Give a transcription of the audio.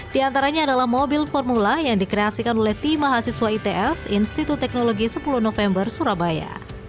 di antaranya adalah mobil formula yang dikreasikan oleh tim mahasiswa its institut teknologi sepuluh november surabaya